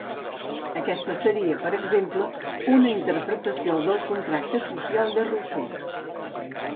Aquesta seria, per exemple, una interpretació del "Contracte social" de Rousseau.